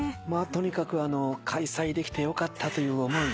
とにかく開催できてよかったという思い。